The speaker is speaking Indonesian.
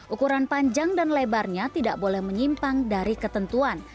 ukuran panjang dan lebarnya tidak boleh menyimpang dari ketentuan